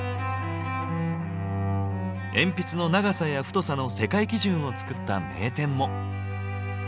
鉛筆の長さや太さの世界基準を作った名店も。